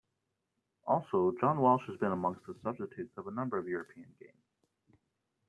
Also, John Welsh has been amongst the substitutes for a number of European games.